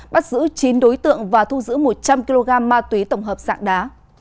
bắt giữ chín đối tượng và thu giữ một trăm linh kg ma túy tổng hợp sạng đá